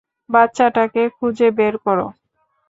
বাচ্চাটাকে খুঁজে বের করো।